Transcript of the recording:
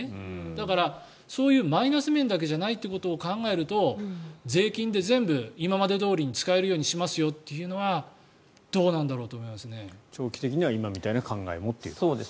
だから、そういうマイナス面だけじゃないということを考えると税金で全部今までどおり使えるようにしますよというのは長期的には今みたいな考えもということですね。